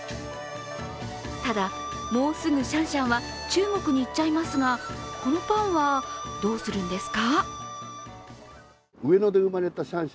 ただ、もうすぐシャンシャンは中国に行っちゃいますがこのパンは、どうするんですか？